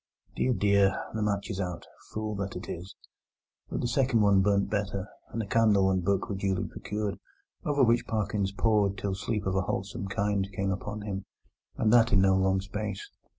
Dear, dear! the match is out! Fool that it is! But the second one burnt better, and a candle and book were duly procured, over which Parkins pored till sleep of a wholesome kind came upon him, and that in no long space.